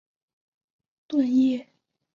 钝叶拉拉藤为茜草科拉拉藤属下的一个变种。